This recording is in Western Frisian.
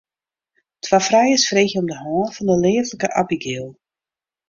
Twa frijers freegje om de hân fan de leaflike Abigail.